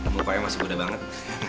bukannya masih muda banget